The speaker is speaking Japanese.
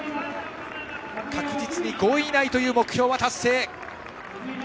確実に５位以内という目標は達成。